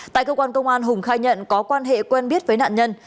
tại cơ quan công an hùng khai nhận có quan hệ quen biết với nạn nhân